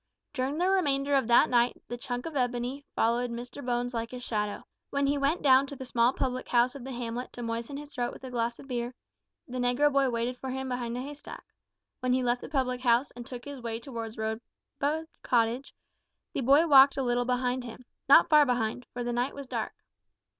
During the remainder of that night the "chunk of ebony" followed Mr Bones like his shadow. When he went down to the small public house of the hamlet to moisten his throat with a glass of beer, the negro boy waited for him behind a hay stack; when he left the public house, and took his way towards Rosebud Cottage, the boy walked a little behind him not far behind, for the night was dark.